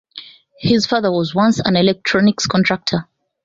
His father was once an electronics contractor.